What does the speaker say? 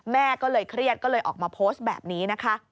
แม่ก็เลยเครียดก็เลยออกมาโพสต์แบบนี้นะคะ